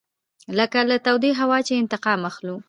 لکه له تودې هوا چې انتقام اخلو.